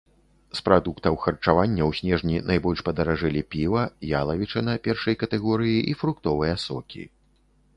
З прадуктаў харчавання ў снежні найбольш падаражэлі піва, ялавічына першай катэгорыі і фруктовыя сокі.